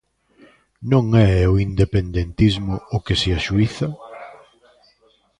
Non é o independentismo o que se axuíza.